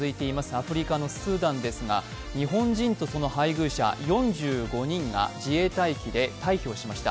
アフリカのスーダンですが日本人とその配偶者４５人が自衛隊機で退去しました。